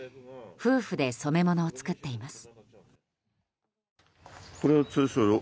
夫婦で染め物を作っています。